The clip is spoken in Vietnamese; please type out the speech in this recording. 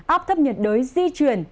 áp thấp nhận đới di chuyển